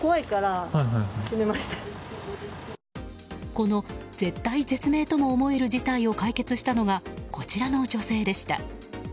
この絶体絶命とも思える事態を解決したのがこちらの女性でした。